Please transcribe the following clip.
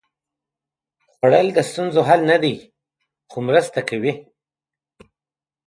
خوړل د ستونزو حل نه دی، خو مرسته کوي